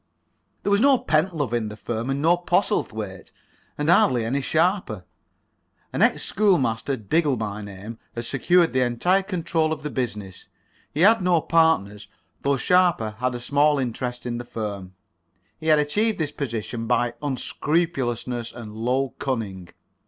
There was no Pentlove in the firm, and no Postlethwaite, and hardly any Sharper. An ex schoolmaster, Diggle by name, had secured the entire control of the business. He had no partners, though Sharper had a small interest in the firm. He had achieved this position by unscrupulousness and low cunning.